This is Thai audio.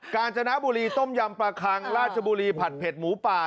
กาญจนบุรีต้มยำปลาคังราชบุรีผัดเด็ดหมูป่า